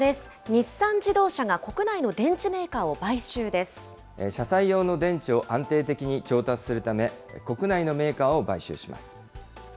日産自動車が国内の電池メーカー車載用の電池を安定的に調達するため、国内のメーカーを買収します。